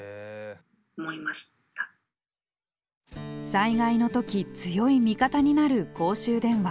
災害の時強い味方になる公衆電話。